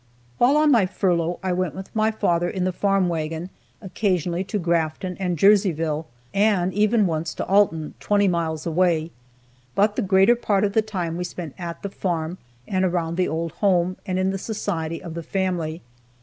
While on my furlough I went with my father in the farm wagon occasionally to Grafton, and Jerseyville, and even once to Alton, twenty miles away, but the greater part of the time was spent at the farm, and around the old home, and in the society of the family.